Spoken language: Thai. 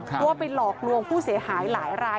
เพราะว่าไปหลอกลวงผู้เสียหายหลายราย